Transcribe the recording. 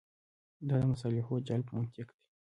دا د مصالحو جلب منطق دی.